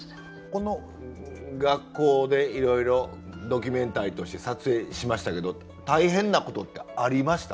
この学校でいろいろドキュメンタリーとして撮影しましたけど大変なことってありました？